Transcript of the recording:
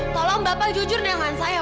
tolong bapak jujur dengan saya